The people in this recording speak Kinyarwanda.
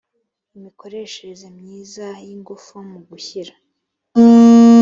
imikoreshereze myiza y ingufu mu gushyira